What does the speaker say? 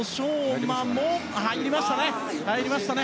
馬も入りました。